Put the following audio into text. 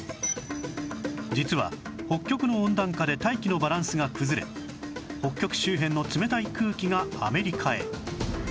実は北極の温暖化で大気のバランスが崩れ北極周辺の冷たい空気がアメリカへ